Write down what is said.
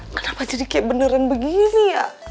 kenapa jadi kayak beneran begini sih ya